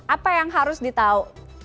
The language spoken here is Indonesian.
apa yang harus di tahu